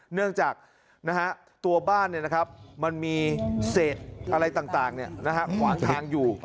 เนื่องจากตัวบ้านมันมีเศษอะไรต่างขวางทางอยู่